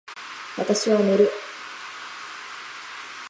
私は寝る